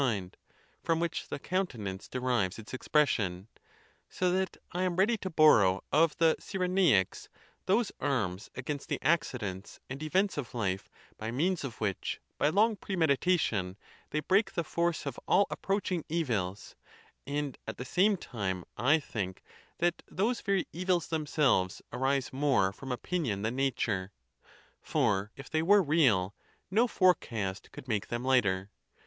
mind, from which the countenance derives its expres sion. So that I am ready to borrow of the Cyrenaics those arms against the accidents and events of life by means of which, by long premeditation, they break the force of all approaching evils; and at the same time I think that those very evils themselves arise more from opinion than nature, for if they were real, no forecast could make them lighter.